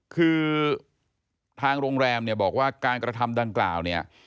คือทางโรงแรมบอกว่าการกระทำดังกล่าว